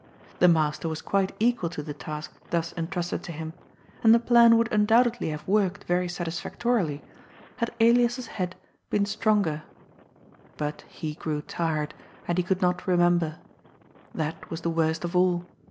The master was quite equal to the task thus entrusted to him, and the plan would undoubtedly have worked very satisfactorily had Elias's head been DB. PILLENAAB*S REVENGE. 75 stronger. But he grew tired, and he conld not remember. That was the worst of all.